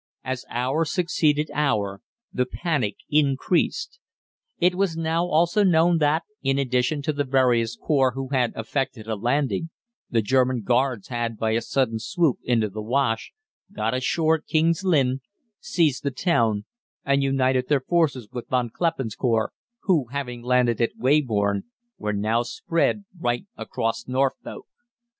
As hour succeeded hour the panic increased. It was now also known that, in addition to the various corps who had effected a landing, the German Guards had, by a sudden swoop into the Wash, got ashore at King's Lynn, seized the town, and united their forces with Von Kleppen's corps, who, having landed at Weybourne, were now spread right across Norfolk.